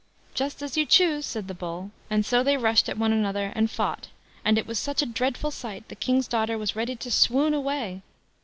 "Just as you choose", said the Bull; and so they rushed at one another, and fought, and it was such a dreadful sight, the King's daughter was ready to swoon away.